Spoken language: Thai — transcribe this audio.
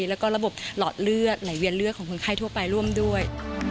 แล้วก็ระบบหลอดเลือดไหลเวียนเลือดของคนไข้ทั่วไปร่วมด้วย